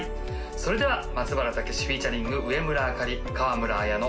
それでは松原健之フィーチャリング植村あかり川村文乃